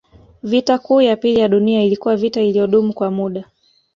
Vita Kuu ya Pili ya Dunia ilikuwa vita iliyodumu kwa muda